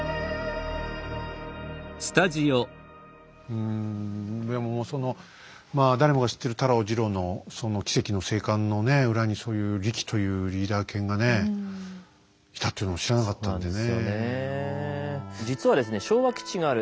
うんでもその誰もが知ってるタロジロの奇跡の生還の裏にそういうリキというリーダー犬がねいたというのを知らなかったんでね。